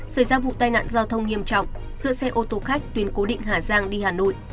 xảy ra vụ tai nạn giao thông nghiêm trọng giữa xe ô tô khách tuyến cố định hà giang đi hà nội